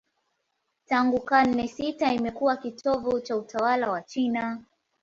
Tangu karne sita imekuwa kitovu cha utawala wa China.